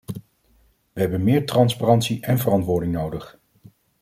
We hebben meer transparantie en verantwoording nodig.